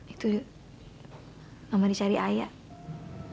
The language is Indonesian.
itu mama dicari ayah